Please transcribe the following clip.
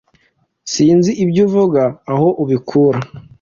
Sinzi iby uvuga aho ubikura